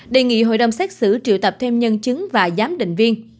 đề nghị hội đồng xét xử triệu tập thêm nhân chứng và giám định viên